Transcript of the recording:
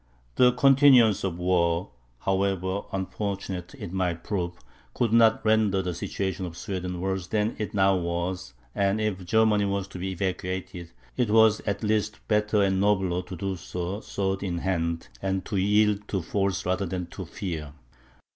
The continuance of war, however unfortunate it might prove, could not render the situation of Sweden worse than it now was; and if Germany was to be evacuated, it was at least better and nobler to do so sword in hand, and to yield to force rather than to fear.